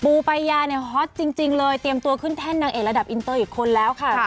ปายาเนี่ยฮอตจริงเลยเตรียมตัวขึ้นแท่นนางเอกระดับอินเตอร์อีกคนแล้วค่ะ